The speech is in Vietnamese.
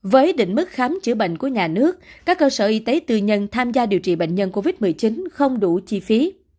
với định mức khám chữa bệnh của nhà nước các cơ sở y tế tư nhân tham gia điều trị bệnh nhân covid một mươi chín không đủ chi phí